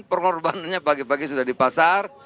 pengorbanannya pagi pagi sudah di pasar